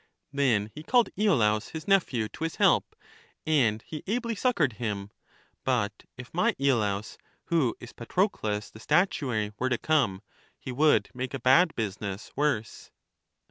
Then he called lolaus, his nephew, to his help, and he ably succored him; but if my lolaus, who is Patrocles the statuary, were to come, he would make a bad business worse.